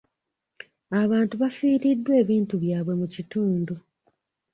Abantu bafiiriddwa ebintu byabwe mu kitundu.